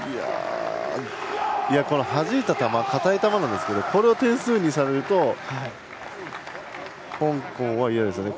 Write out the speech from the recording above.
はじいた球硬い球なんですがこれを点数にされると香港は嫌ですよね。